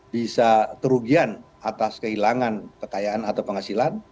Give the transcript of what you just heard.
bisa kerugian atas kehilangan kekayaan atau penghasilan